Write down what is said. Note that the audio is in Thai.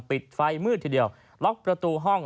ปิดไฟมืดทีเดียวล็อกประตูห้อง